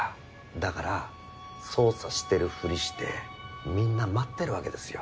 だから捜査してるふりしてみんな待ってるわけですよ。